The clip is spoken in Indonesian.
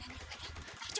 yuk kita begitu saja